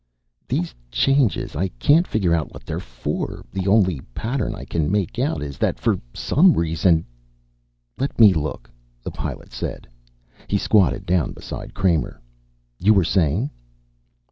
"These changes. I can't figure out what they're for. The only pattern I can make out is that for some reason " "Let me look," the Pilot said. He squatted down beside Kramer. "You were saying?"